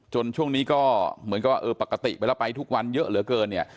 ช่วงนี้ก็เหมือนกับเออปกติไปแล้วไปทุกวันเยอะเหลือเกินเนี่ย